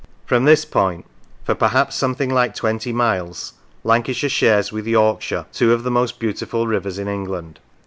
From this point for perhaps some thing like twenty miles Lancashire shares with York shire two of the most beautiful rivers in England.